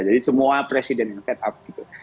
jadi semua presiden yang set up gitu